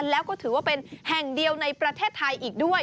แล้วก็ถือว่าเป็นแห่งเดียวในประเทศไทยอีกด้วย